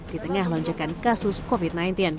di tengah lonjakan kasus covid sembilan belas